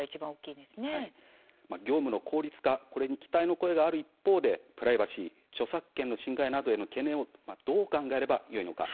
業務の効率化、これに期待の声がある一方でプライバシー著作権の侵害などへの懸念をどう考えればよいのか。